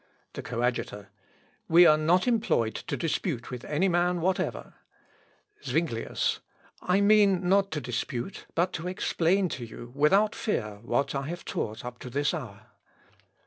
The Coadjutor. "We are not employed to dispute with any man whatever." Zuinglius. "I mean not to dispute, but to explain to you, without fear, what I have taught up to this hour."